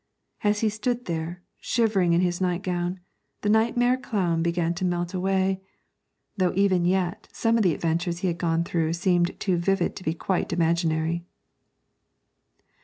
As he stood there, shivering in his nightgown, the nightmare clown began to melt away, though even yet some of the adventures he had gone through seemed too vivid to be quite imaginary.